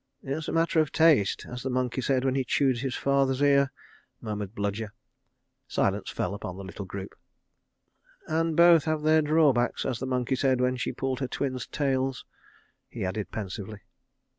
"It's a matter of taste—as the monkey said when he chewed his father's ear," murmured Bludyer. Silence fell upon the little group. "And both have their draw backs—as the monkey said when she pulled her twins' tails," he added pensively.